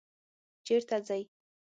چیرته ځئ؟